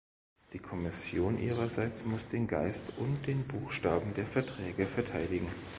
Die Kommission ihrerseits muss den Geist und den Buchstaben der Verträge verteidigen.